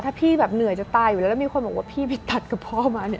ถ้าพี่เหนื่อยจะตายแล้วมีคนตอบพี่ไปตัดกระเพาะมาเนี่ย